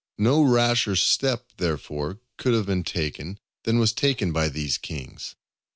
No rasher step, therefore, could have been taken, than was taken by these kings.